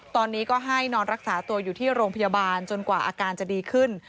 ตอนนี้ก็ให้นอนรักษาตัวอยู่ที่โรงพยาบาลจนกว่าอาการจะดีขึ้น